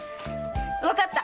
わかった！